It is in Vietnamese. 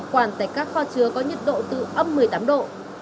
quản tải các kho chứa có nhiệt độ tự âm một mươi tám độ